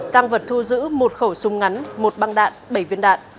tăng vật thu giữ một khẩu súng ngắn một băng đạn bảy viên đạn